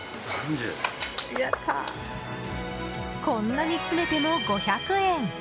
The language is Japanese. こんなに詰めても５００円。